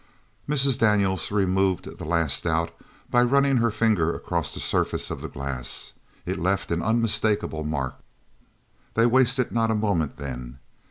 Mrs. Daniels removed the last doubt by running her finger across the surface of the glass. It left an unmistakable mark. They wasted no moment then.